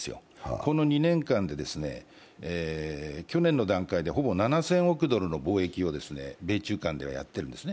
この２年間で去年の段階でほぼ７０００億ドルの貿易を米中間ではやっているんですね。